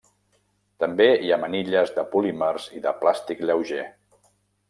També hi ha manilles de polímers i de plàstic lleuger.